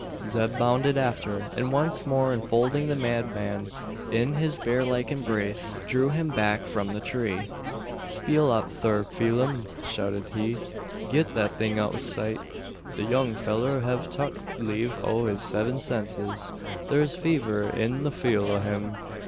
Zeb bounded after; and once more enfolding the madman in his bear like embrace, drew him back from the tree. "Speel up thur, Pheelum!" shouted he. "Git that thing out o' sight. The young fellur hev tuck leeve o' his seven senses. Thur's fever in the feel o' him.